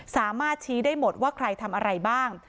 สามารถชี้ได้หมดว่าใครทำอะไรบ้าง